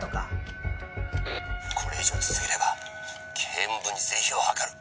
「これ以上続ければ警務部に是非を諮る！」